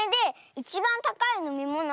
いちばんたかいのみもの。